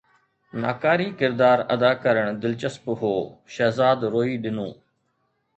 ناڪاري ڪردار ادا ڪرڻ دلچسپ هو، شهزاد روئي ڏنو